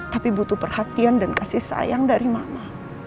tapi butuh perhatian dan kasih sayang dari mama